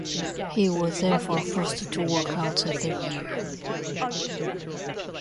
He was therefore forced to work out the year.